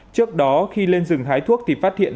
trước đó khi lên rừng hái thuốc thì phát hiện